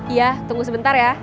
iya tunggu sebentar ya